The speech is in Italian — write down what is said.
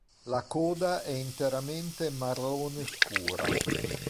La coda è interamente marrone scura.